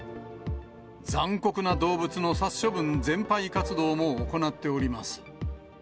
残酷な動物の殺処分全廃の活動も行っております。